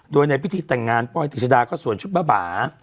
โดยในพิธีแต่งงานป้อยติดชดาก็ส่วนชุดบ้าบ๊า